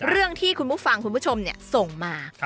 เรื่องที่คุณผู้ฟังคุณผู้ชมส่งมา